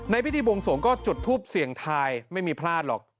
พิธีบวงสวงก็จุดทูปเสี่ยงทายไม่มีพลาดหรอก